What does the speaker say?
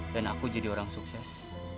dan aku jadi orang sukses